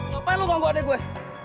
kenapa lo ganggu adik gue